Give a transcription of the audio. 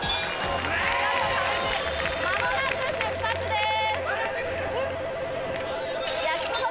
間もなく出発です！